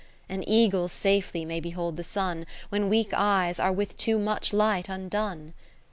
20 An eagle safely may behold the Sun, When weak eyes are with too much light undone.